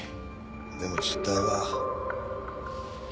でも実態は。